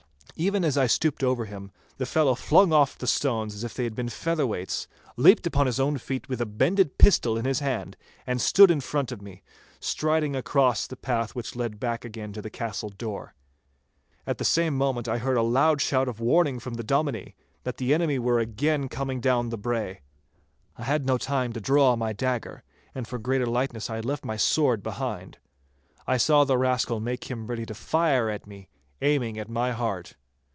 Even as I stooped over him, the fellow flung oft the stones as if they had been featherweights, leaped upon his own feet with a bended pistol in his hand, and stood in front of me, striding across the path which led back again to the castle door. At the same moment I heard a loud shout of warning from the Dominie, that the enemy were again coming down the brae. I had no time to draw my dagger, and for greater lightness I had left my sword behind. I saw the rascal make him ready to fire at me, aiming at my heart.